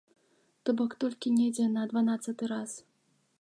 То бок толькі недзе на дванаццаты раз.